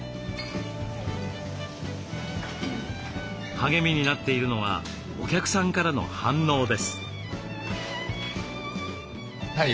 励みになっているのはお客さんからの反応です。